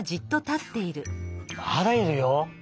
まだいるよ。